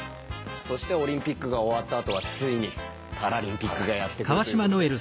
そしてオリンピックが終わったあとはついにパラリンピックがやって来るということで。